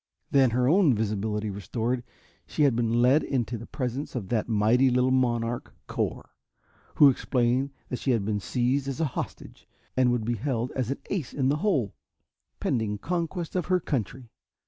Then, her own visibility restored, she had been led into the presence of that mighty little monarch, Cor, who explained that she had been seized as a hostage and would be held as an ace in the hole, pending conquest of her country.